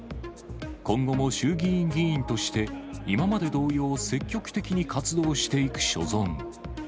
今後も衆議院議員として今まで同様、積極的に活動していく所存。